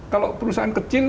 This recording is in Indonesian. kalau perusahaan kecil